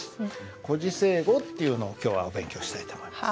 「故事成語」っていうのを今日はお勉強したいと思います。